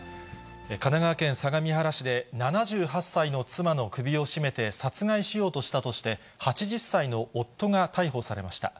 神奈川県相模原市で、７８歳の妻の首を絞めて殺害しようとしたとして、８０歳の夫が逮捕されました。